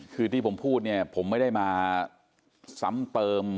คือที่ผมพูดเนี่ยผมไม่ได้มาซ้ำเติม